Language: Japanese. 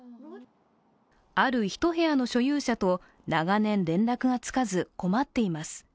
ある１部屋の所有者と長年連絡がつかず、困っています。